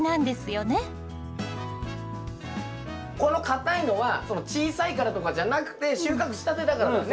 この硬いのは小さいからとかじゃなくて収穫したてだからだね。